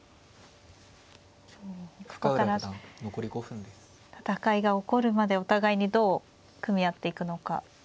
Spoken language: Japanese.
ここから戦いが起こるまでお互いにどう組み合っていくのか。